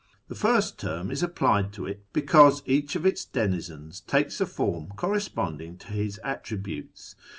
The first term is applied to it because each of its denizens takes a form corresponding to ^liis attributes.